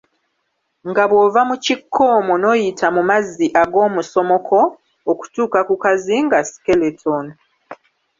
Nga bw'ova mu kikko omwo n'oyita mu mazzi ag'omusomoko okutuuka ku kazinga Skeleton.